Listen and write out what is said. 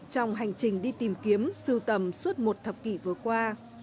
trong hành trình đi tìm kiếm siêu tầm suốt một thập kỷ vừa qua